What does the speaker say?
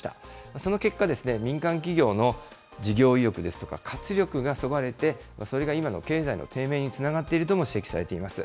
その結果ですね、民間企業の事業意欲ですとか活力がそがれて、それが今の経済の低迷につながっているとも指摘されています。